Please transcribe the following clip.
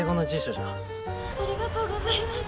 ありがとうございます。